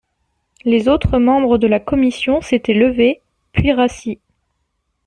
Les autres membres de la Commission s'étaient levés, puis rassis.